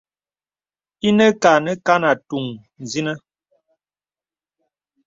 Ìnə kâ nə kan atûŋ sìnə.